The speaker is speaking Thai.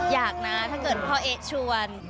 อยากนะถ้าเกิดพ่อเอ๊ะชวน